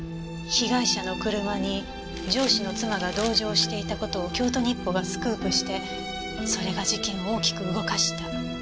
被害者の車に上司の妻が同乗していた事を京都日報がスクープしてそれが事件を大きく動かした。